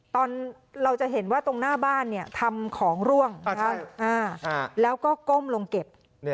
ตอนเราจะเห็นว่าตรงหน้าบ้านทำของร่วงแล้วก็ก้มลงเก็บ